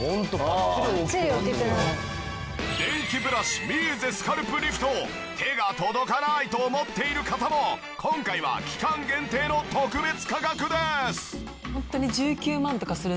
電気ブラシミーゼスカルプリフト手が届かないと思っている方も今回は期間限定の特別価格です！